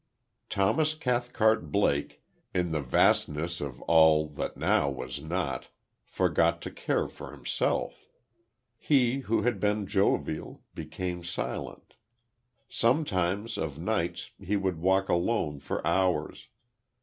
Thomas Cathcart Blake, in the vastness of all that now was not, forgot to care for himself. He, who had been jovial, became silent. Some times, of nights, he would walk alone for hours.